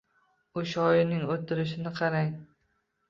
U shoirning o‘tirishini qarang